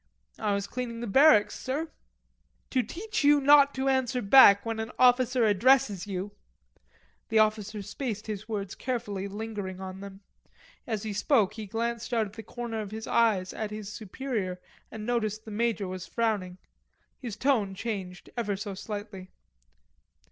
"I was cleaning the barracks, sir." "To teach you not to answer back when an officer addresses you...." The officer spaced his words carefully, lingering on them. As he spoke he glanced out of the corner of his eye at his superior and noticed the major was frowning. His tone changed ever so slightly.